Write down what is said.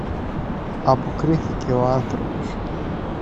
αποκρίθηκε ο άνθρωπος.